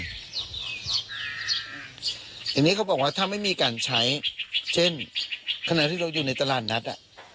อย่างนี้เขาบอกว่าถ้าไม่มีการใช้เช่นขณะที่เราอยู่ในตลาดนัด